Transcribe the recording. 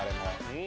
うん。